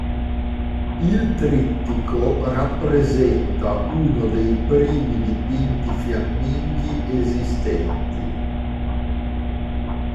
Il Trittico rappresenta uno dei primi dipinti fiamminghi esistenti.